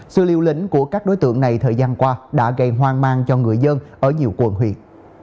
sự liều lĩnh của các đối tượng này thời gian qua đã gây hoang mang cho người dân ở nhiều quận huyện